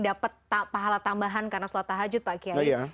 dapat pahala tambahan karena sholat tahajud pak kiai